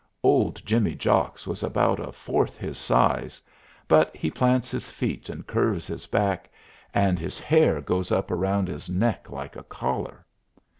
Old Jimmy Jocks was about a fourth his size; but he plants his feet and curves his back, and his hair goes up around his neck like a collar.